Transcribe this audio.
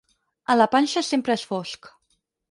A la panxa sempre és fosc.